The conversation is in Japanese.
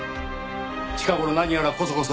近頃何やらコソコソ。